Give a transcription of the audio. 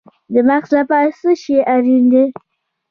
د مغز لپاره څه شی اړین دی؟